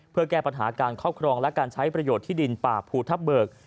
เพื่อแก้ปัญหาการครอบครองและการใช้ประโยชน์ที่ดินป่าภูทับเบิก